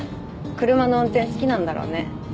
車の運転好きなんだろうね